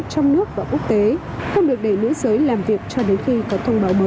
trong nước và quốc tế không được để nữ giới làm việc cho đến khi có thông báo mới